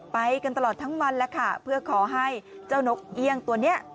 ไปกันตลอดทั้งวันแล้วค่ะเพื่อขอให้เจ้านกเอี่ยงตัวนี้